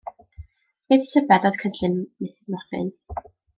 Beth tybed oedd cynllun Mrs Mochyn?